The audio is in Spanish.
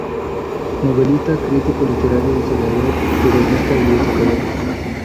Novelista, crítico literario, historiador, periodista y educador.